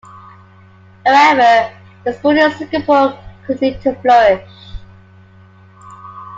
However the school in Singapore continued to flourish.